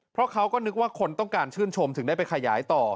เพราะเขาก็นึกว่าคนต้องการชื่นชมถึงได้ไปขยายต่อ